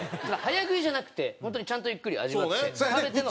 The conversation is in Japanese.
早食いじゃなくて本当にちゃんとゆっくり味わって。